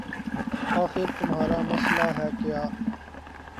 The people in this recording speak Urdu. آخر تمہارا مسئلہ ہے کیا